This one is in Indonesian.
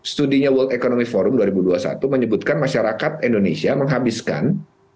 studinya world economy forum dua ribu dua puluh satu menyebutkan masyarakat indonesia menghabiskan